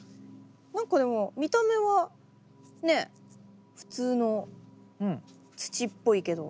何かでも見た目はねえ普通の土っぽいけど。